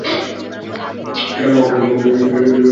মহকুমার সদর দফতর উলুবেড়িয়া শহরে অবস্থিত।